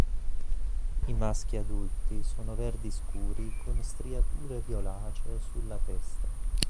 I maschi adulti sono verdi scuri con striature violacee sulla testa.